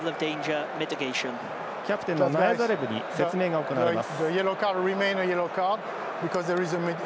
キャプテンのナヤザレブに説明が行われます。